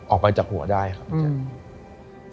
ออกไปจากหัวได้ครับ